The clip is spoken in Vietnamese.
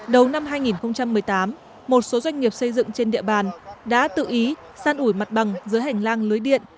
đầu năm hai nghìn một mươi tám một số doanh nghiệp xây dựng trên địa bàn đã tự ý săn ủi mặt bằng giữa hành lang lưới điện